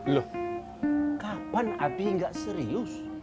loh kapan abi gak serius